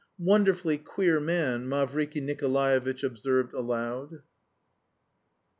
"Wonderfully queer man," Mavriky Nikolaevitch observed aloud.